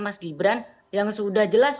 mas gibran yang sudah jelas